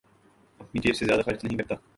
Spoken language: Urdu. اپنی جیب سے زیادہ خرچ نہیں کرتا